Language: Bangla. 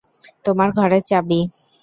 তোমার ঘরের চাবি।